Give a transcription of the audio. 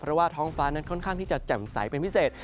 เพราะว่าท้องฟ้านั้นค่อนข้างที่จะแจ่มใสเป็นพิเศษ